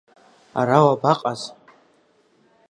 Ара уабаҟаз?